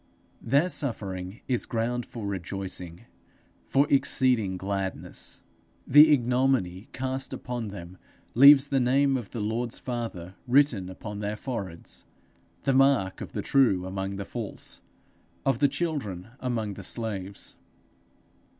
Their suffering is ground for rejoicing, for exceeding gladness. The ignominy cast upon them leaves the name of the Lord's Father written upon their foreheads, the mark of the true among the false, of the children among the slaves.